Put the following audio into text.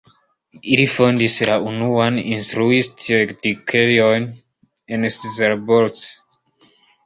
Ili fondis la unuan instruist-edukejon en Szabolcs.